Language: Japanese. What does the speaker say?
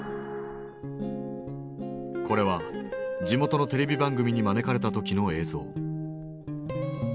これは地元のテレビ番組に招かれた時の映像。